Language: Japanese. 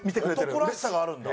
男らしさがあるんだ。